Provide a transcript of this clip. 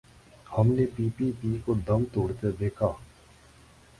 ہم نے P P P کو دم توڑتے دیکھا۔